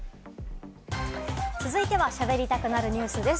続いては、しゃべりたくなるニュスです。